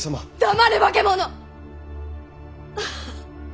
黙れ化け物！